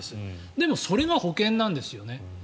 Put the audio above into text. でも、それが保険なんですよね。